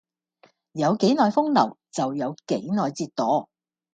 有幾耐風流就有幾耐折墮